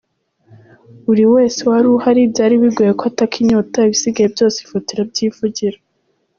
Buri wese wari uhari byari bigoye ko ataka inyota, ibisigaye byose ifoto irabyivugira.